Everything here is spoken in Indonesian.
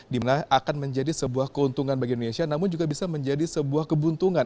dimana akan menjadi sebuah keuntungan bagi indonesia namun juga bisa menjadi sebuah kebuntungan